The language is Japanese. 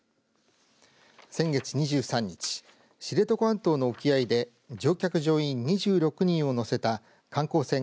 先月２３日知床半島の沖合で乗客、乗員２６人を乗せた観光船